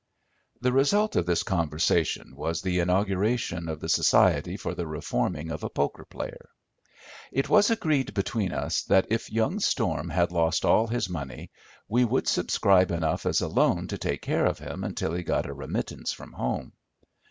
The result of this conversation was the inauguration of the Society for the Reforming of a Poker Player. It was agreed between us that if young Storm had lost all his money we would subscribe enough as a loan to take care of him until he got a remittance from home.